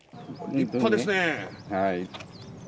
立派ですね。